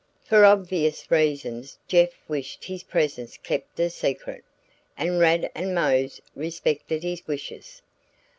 "For obvious reasons Jeff wished his presence kept a secret, and Rad and Mose respected his wishes.